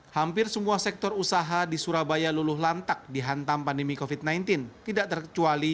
hai hampir semua sektor usaha di surabaya luluh lantak dihantam pandemi kofit sembilan belas tidak terkecuali